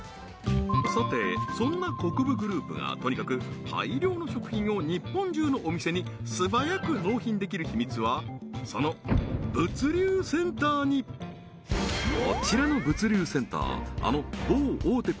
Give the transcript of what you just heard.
さてそんな国分グループがとにかく大量の食品を日本中のお店に素早く納品できる秘密はその物流センターにこちらの物流センターあの某大手